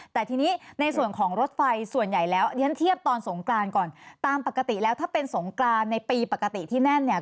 แต่ทีนี้ในส่วนของรถไฟส่วนใหญ่แล้วเรียนเทียบตอนสงกรานก่อนตามปกติแล้วถ้าเป็นสงกรานในปีปกติที่แน่นเนี่ย